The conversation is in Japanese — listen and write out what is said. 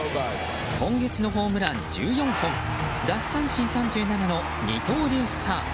今月のホームラン１４本奪三振３７の二刀流スター。